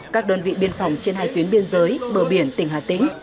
các đơn vị biên phòng trên hai tuyến biên giới bờ biển tỉnh hà tĩnh